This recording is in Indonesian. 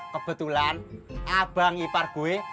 kebetulan abang ipar gue